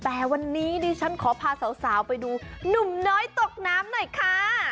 แต่วันนี้ดิฉันขอพาสาวไปดูหนุ่มน้อยตกน้ำหน่อยค่ะ